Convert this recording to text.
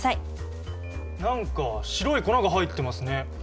何か白い粉が入ってますね。